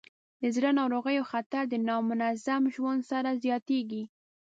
د زړه ناروغیو خطر د نامنظم ژوند سره زیاتېږي.